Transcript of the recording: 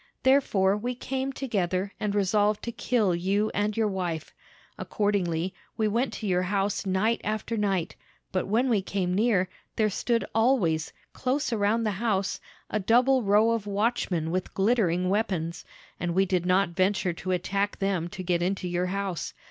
Therefore we came together, and resolved to kill you and your wife. Accordingly, we went to your house night after night; but when we came near, there stood always, close around the house, a double row of watchmen with glittering weapons, and we did not venture to attack them to get into your house.